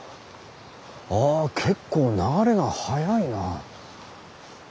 あ結構流れが速いな。